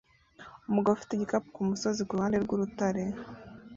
Umugabo ufite igikapu kumusozi kuruhande rwurutare